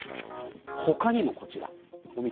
他にもこちら。